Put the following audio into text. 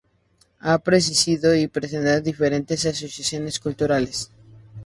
Ha presidido y preside diferentes asociaciones culturales.